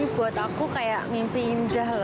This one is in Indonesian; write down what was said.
ini buat aku kayak mimpi indah loh